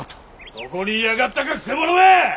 ・そこにいやがったか曲者め！